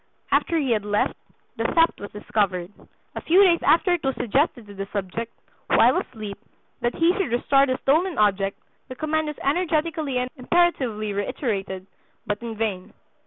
After he had left, the theft was discovered. A few days after it was suggested to the subject, while asleep, that he should restore the stolen object; the command was energetically and imperatively reiterated, but in vain.